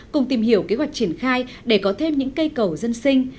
cùng tìm hiểu kế hoạch triển khai để có thêm những cây cầu dân sinh